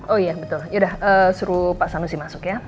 oh iya betul yaudah suruh pak sanusi masuk ya